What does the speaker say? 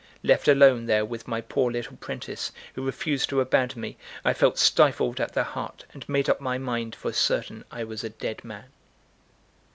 Left alone there with my poor little prentice, who refused to abandon me, I felt stifled at the heart, and made up my mind for certain I was a dead man.